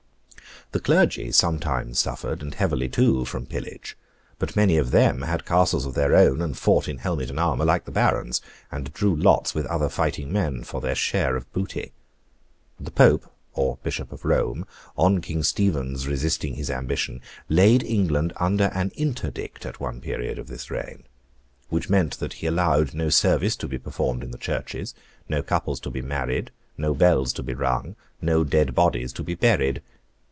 The clergy sometimes suffered, and heavily too, from pillage, but many of them had castles of their own, and fought in helmet and armour like the barons, and drew lots with other fighting men for their share of booty. The Pope (or Bishop of Rome), on King Stephen's resisting his ambition, laid England under an Interdict at one period of this reign; which means that he allowed no service to be performed in the churches, no couples to be married, no bells to be rung, no dead bodies to be buried.